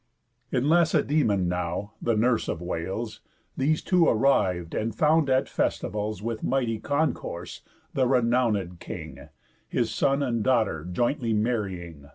In Lacedæmon now, the nurse of whales, These two arriv'd, and found at festivals, With mighty concourse, the renownéd king, His son and daughter jointly marrying.